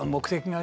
あ